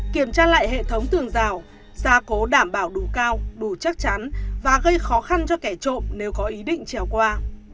kiểm tra lại hệ thống tường rào gia cố đảm bảo đủ cao đủ chắc chắn và gây khó khăn cho kẻ trộm nếu có ý định trèo qua